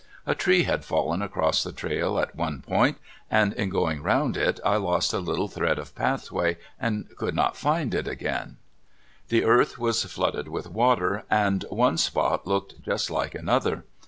A tree had fallen across the trail at one point, and in going round it I lost the little thread of pathway and could not find it again. The earth was flooded with water, and one spot looked just like another.